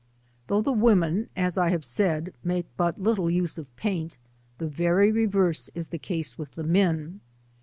Though the 'women, as I have said, make but little use of paint, the very reverse is the case with the men.